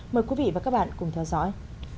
mời quý vị và các bạn cùng theo dõi